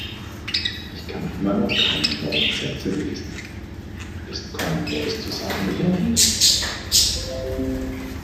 Ich kann immer noch keine neuen Sätze lesen. Ist Commen Voice zusammengebrochen?